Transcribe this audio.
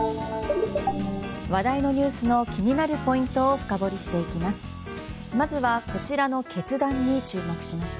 話題のニュースの気になるポイントを深掘りしていきます。